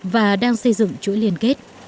và đang xây dựng chuỗi liên kết